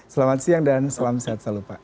selamat siang dan selamat sehat selalu pak